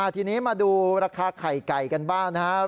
ทีนี้มาดูราคาไข่ไก่กันบ้างนะครับ